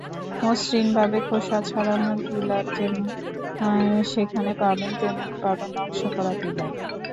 মসৃণভাবে খোসা ছাড়ানোর পিলার যেমন সেখানে পাবেন, তেমনি পাবেন নকশা করা পিলার।